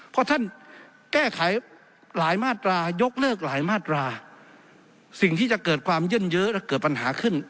เพราะท่านแก้ไขหลายมาตรายกเลิกหลายมาตราสิ่งที่จะเกิดความเยื่อนเยอะและเกิดปัญหาขึ้น